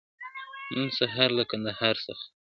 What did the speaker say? نن سهار له کندهار څخه !.